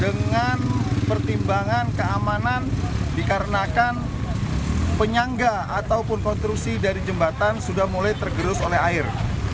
dengan pertimbangan keamanan dikarenakan penyangga ataupun konstruksi dari jembatan sudah mulai tergerus oleh air